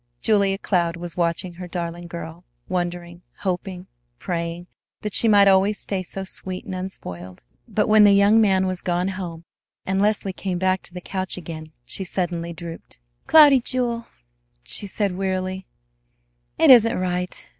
Julia Cloud was watching her darling girl, wondering, hoping, praying that she might always stay so sweet and unspoiled. But when the young man was gone home, and Leslie came back to the couch again, she suddenly drooped. "Cloudy Jewel," she said wearily, "it isn't right.